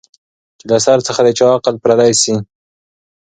چي له سر څخه د چا عقل پردی سي